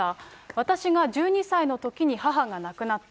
私が１２歳のときに母が亡くなった。